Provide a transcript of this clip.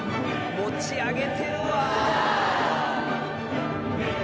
持ち上げてるわ！